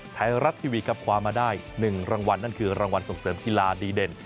ไทยรัฐทีวีครับคว้ามาได้๑รางวัลนั่นคือรางวัลส่งเสริมกีฬาดีเด่น